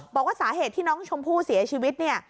บอกว่าสาเหตุที่น้องชมพู่เสียชีวิตเนี่ย